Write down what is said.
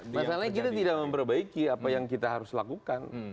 masalahnya kita tidak memperbaiki apa yang kita harus lakukan